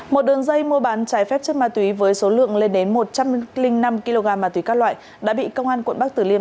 một đường dây mua bán trái phép chất ma túy với số lượng lên đến một trăm linh năm kg ma túy các loại đã bị công an quận bắc tử liêm